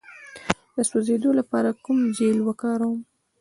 د سوځیدو لپاره کوم جیل وکاروم؟